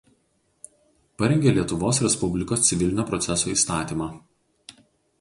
Parengė Lietuvos Respublikos Civilinio proceso įstatymą.